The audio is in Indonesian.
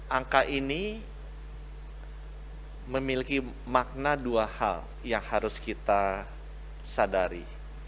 angka ini memiliki makna dua hal yang harus kita sadari